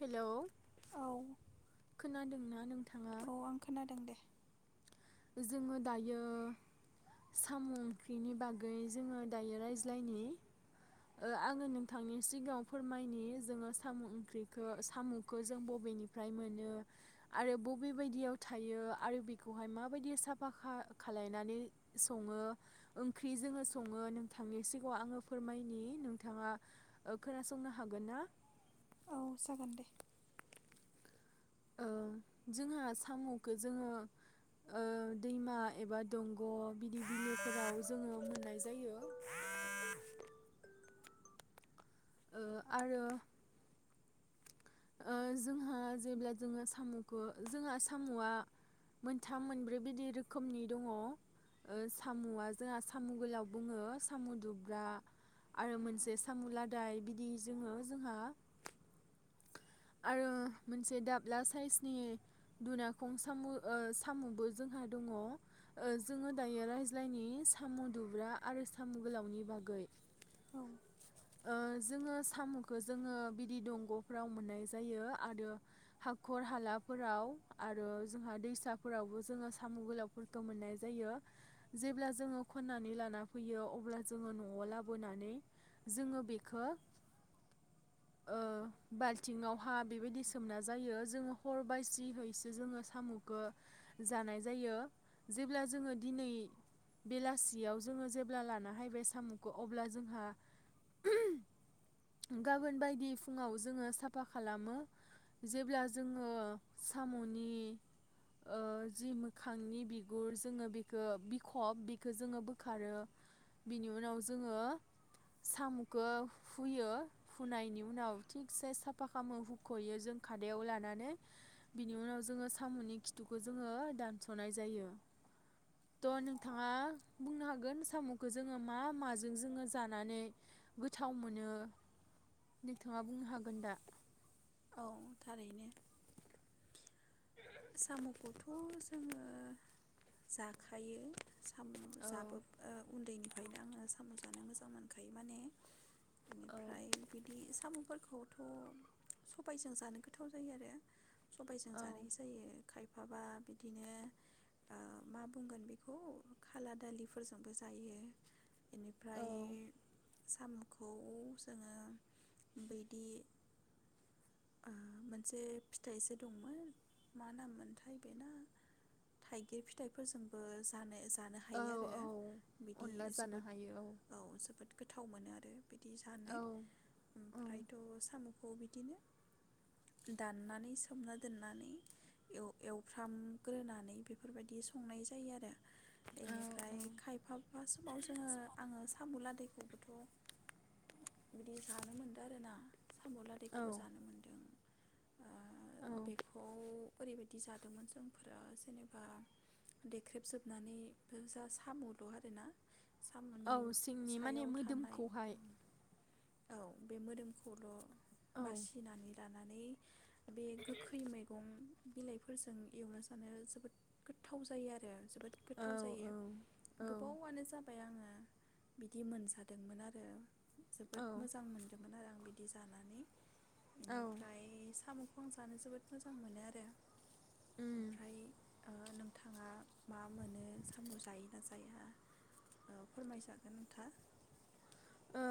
Hello. औ खोनादों ना नोंथाङा? औ आं खोनादों दे जोङो दायो सामु ओंख्रिनि बागै जोङो दायो रायज्लायनि। ओ आङो नोंथांनि सिगाङाव फोरमायनि जोङो सामु ओंख्रिखो सामुखो जों बबेनिफ्राय मोनो आरो बबे बायदियाव थायो आरो बेखौहाय मा बायदि साफा खा खालायनानै सङो ओंख्रि जोङो सङो नोंथांनि सिगाङाव आङो फोरमायनि नोंथाङा ओ खोनासंनो हागोन ना? औ जागोन दे। ओ जोंहा सामुखो जोङो ओ दैमा एबा दंग' बिलोफोराव जोङो मोननाय जायो। ओ आरो ओ जोंहा जेब्ला जोङो सामुखौ जोंहा सामुआ मोनथाम मोनब्रै बिदि रोखोमनि दङ'। ओ सामुआ जोंहा सामु गोलाव बुङो सामु दुब्रा आरो मोनसे सामु लादाय बिदि जोङो जोंहा आरो मोनसे दाब्ला साइसनि दुनाखं सामु' ओ सामु'बो जोंहा दङ'। ओ जोङो दायो रायज्लायनि सामु' दुब्रा आरो सामु' गोलावनि बागै। औ ओ जोङो सामुखो जोङो बिदि दंग'फ्राव मोननाय जायो आरो हाखर हालाफोराव आरो जोंहा दैसाफोरावबो जोङो सामु गोलाउफोरखौ मोननाय जायो। जेब्ला जोङो खन्नानै लाना फैयो अब्ला जोङो न'आव लाबोनानै जोङो बेखो ओ बालथिङाव हा बेबादि सोमना जायो। जोङो हर बासिहैसो जोङो सामुखो जानाय जायो। जेब्ला जोङो दिनै बेलासिआव जोङो जेब्ला लाना हायबाय सामुखो अब्ला जोंहा गाबोन बायदि फुङाव जोङो साफा खालामो। जेब्ला जोङो सामुनि ओ जि मोखांनि बिगुर जोङो बिखो बिखब बिखो जोङो बोखारो बिनि उनाव जोङो सामुखो हुयो हुनायनि उनाव थिगसे सा फा खामो हुख'यो जों खादायाव लानानै बिनि उनाव जोङो सामुनि खिथुखौ जोङो दानस'नाय जायो। त'नोंथाङा बुंनो हागोन सामुखौ जोङो मा माजों जोङो जानानै गोथाव मोनो नोंथाङा बुंनो हागोन दा? औ थारैनो। सामुखौथ' जोङो जाखायो। सामु औ जाबोब ओ उन्दैनि ओखायनो आङो साम' जानो मोजां मोनखायो माने औ बेनिफ्राय बिदि साम'फोर खौथ' सबायजों जानो गोथाव जायो आरो। सबायजों औ जानाय जा खायफाबा बिदिनो ओ मा बुंगोन बेखौ खाला दालिफोरजोंबो जायो औ इनिफ्राय साम'खौ जोङो बेदि ओ मोनसे फिथाइ जे दंमोन मा नाम मोनथाय बेना थाइगिर फिथाइफोरजोंबो जानाय जानो औ हायो आरो औ बिदि अनला जानो जोबोद हायो औ जोबोद गोथाव मोनो आरो। बिदि जानो औ ओमफ्रायथ' साम'खौ बिद दिनो दाननानै सोमना दोननानै एव-एवफ्रामग्रोनानै बेफोरबायदि संनाय जायो आरो बेनिफ्राय खायफाफा समाव जोङो आङो साम' लादायखौ खौथ' बिदि जानो मोनदों आरोना साम' औ लादायखौबो जानो मोन्दों। अ औ बेखौ ओरैबायदि जादोंमोन जोंफोरा जेनेबा देख्रेबजोबनानै जा साम'ल' आरोना औ साम'नि सिंनि माने सायाव थानाय मोदोमखौहाय औ बे मोदोमखौल' औ बासिनानै दानानै बे गोखै मै बिलाइफोरजों एवना जानो जोबोद गोथाव जायो आरो। जोबोद औ गोथाव जायो औ औ गोबावआनो जाबाय आङो बिदि मोनजादोंमोन आरो। जोबोद औ मोजां मोनदोंमोन आरो आं। बिदि जानानै। औ इनिफ्राय साम'ख खौ आं जानो जोबोद मोजां मोनो आरो। उम ओमफ्राय ओ नोंथाङा मा मोनो सामु जायो ना जाया ओ फोरमायजागोन नोंथांआ। ओ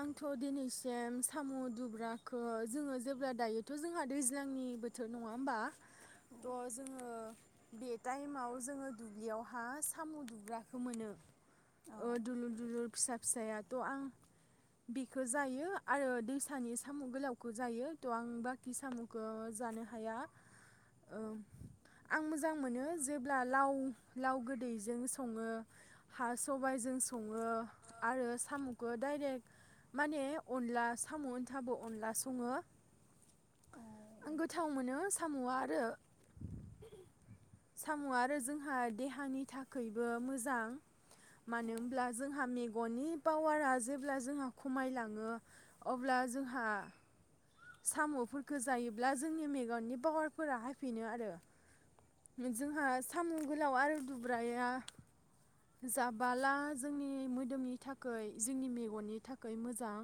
आंथ' दिनैसिम सामु दुब्राखो जोङो जेब्ला दायोथ' जोंहा दैज्लांनि बोथोर नङा होमबा औ थ' जोङो बे टाइमाव जोङो दुब्लियावहा सामु दुब्राखो मोनो। औ ओ दुलुर दुलुर फिसा फिसाया। थ' आं बेखो जायो आरो दैसानि सामु गोलावखौ जायो थ' आं बाखि सामुखो जानो हाया ओ आं मोजां मोनो जेब्ला लाव लाव गोदैजों संङो हा सबाइजों संङो आरो सामुखो डाइरेक्ट माने अनला सामु ओनथाबो अनला संङो आं औ गोथाव मोनो सामुआ आरो सामुआ आरो जोंहा देहानि थाखायबो मोजां। मानो होमब्ला जोंहा मेग मेगननि पावारा जेब्ला जोंहा खमायलाङो अब्ला जोंहा सामुफोरखौ जायोब्ला जोंनि मेगननि पावारफोरा हायफिनो आरो जोंहा सामु गोलाव आरो दुब्राया जाबाला जोंनि मोदोमनि थाखाय जोंनि मेगननि थाखाय मोजां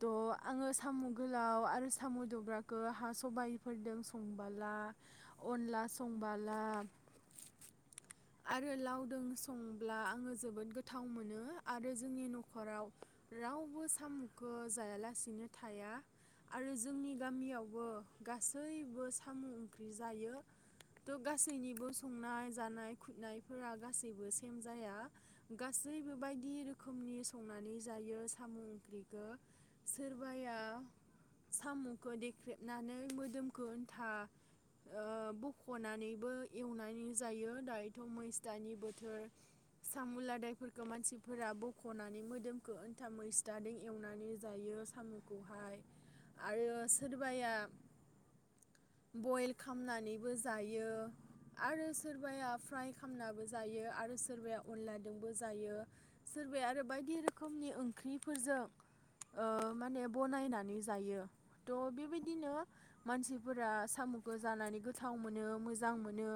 थ' आंङो सामु गोल लाव आरो सामु दुब्राखो हा सबायाइफोरजों संबाला अनला संबाला आरो लावदों संब्ला आंङो जोबोद गोथाव मोनो आरो जोंनि न'खराव रावबो सामुखौ जायालासिनो थाया। आरो जोंनि गामियावबो गासैबो सामु ओंख्रि जायो थ' गासैनिबो संनाय जानाय खुनायफोरा गासैबो सेम जाया गासैबो बायदि रोखोमनि संनानै जायो सामु ओंख्रिखो सोरबाया सामुखौ देख्रेबनानै मोदोमखो उन्था ओ बख'नानैबो एवनानै जायो दायोथ' मैस्थानि बोथोर सामु लादायफोरखौ मानसिफोरा बख'नानै मोदोमखौ उन्था मैस्थादो एवनानै जायो सामुखौहाय। आरो सोरबाया बयल खामनानैबो जायो। आरो सोरबाया फ्राय खालामनाबो जायो आरो सोरबाया अनलादोंबो जायो सोरबाया आरो बायदि रोखोमनि ओंख्रिफोरजों ओ माने बनायनानै जायो थ' बेबायदिनो मानसिफोरा सामुखो जानानै गोथाव मोनो मोजां मोनो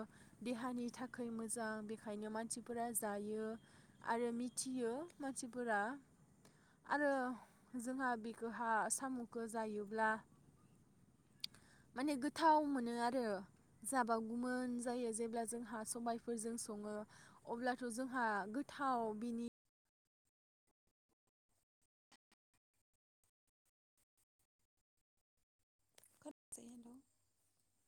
देहानि थाखाय मोजां बेखायनो मानसिफोरा जायो आरो मिथियो मानसिफोरा आरो जोंहा बेखोहा सामु खो जायोब्ला माने गोथाव मोनो आरो जाबागौमोन जायो जेब्ला जोंहा सबायफोरजों संङो अब्लाथ' जोंहा गोथाव बिनि [unintelligible]